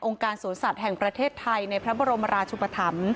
การสวนสัตว์แห่งประเทศไทยในพระบรมราชุปธรรม